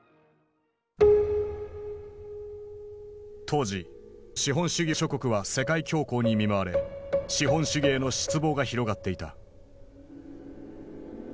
当時資本主義諸国は世界恐慌に見舞われ資本主義への失望が広がっていた。